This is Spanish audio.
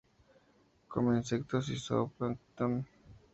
Come insectos y zooplancton.